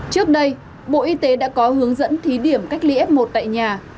trước đây bộ y tế đã có hướng dẫn thí điểm cách ly f một tại nhà